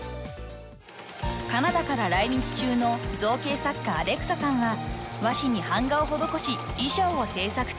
［カナダから来日中の造形作家アレクサさんは和紙に版画を施し衣装を制作中］